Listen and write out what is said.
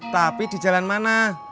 tapi di jalan mana